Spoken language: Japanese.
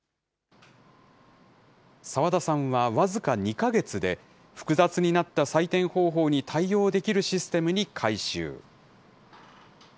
澤田さんは僅か２か月で、複雑になった採点方法に対応できるシステムに改修。